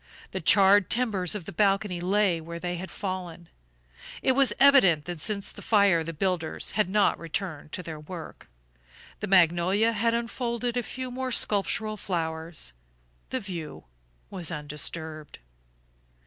The charred timbers of the balcony lay where they had fallen. It was evident that since the fire the builders had not returned to their work. The magnolia had unfolded a few more sculptural flowers; the view was undisturbed.